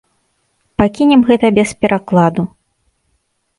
Пакінем гэта без перакладу.